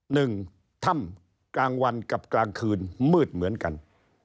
หนึ่งค่ำกลางวันกับกลางคืนมืดเหมือนกัน